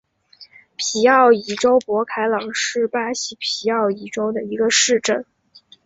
皮奥伊州博凯朗是巴西皮奥伊州的一个市镇。